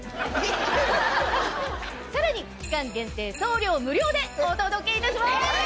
さらに期間限定送料無料でお届けいたします！